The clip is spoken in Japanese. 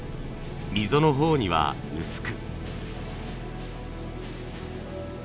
溝の方には薄く。